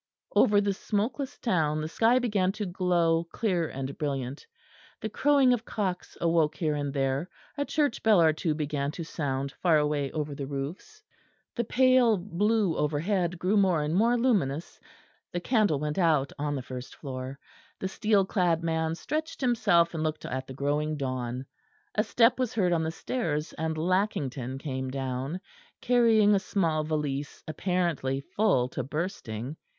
Over the smokeless town the sky began to glow clear and brilliant. The crowing of cocks awoke here and there; a church bell or two began to sound far away over the roofs. The pale blue overhead grew more and more luminous; the candle went out on the first floor; the steel clad man stretched himself and looked at the growing dawn. A step was heard on the stairs, and Lackington came down, carrying a small valise apparently full to bursting.